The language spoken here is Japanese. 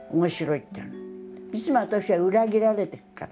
いつも私は裏切られてるから。